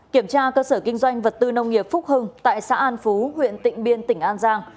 kiểm tra cơ sở kinh doanh vật tư nông nghiệp phúc hưng tại xã an phú huyện tịnh biên tỉnh an giang